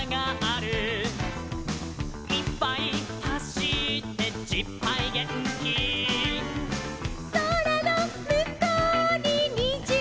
「いっぱいはしってじっぱいげんき」「そらのむこうににじがある」